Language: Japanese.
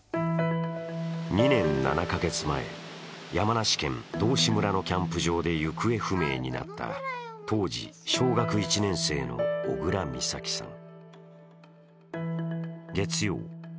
２年７カ月前、山梨県道志村のキャンプ場で行方不明になった当時小学１年生の小倉美咲さん。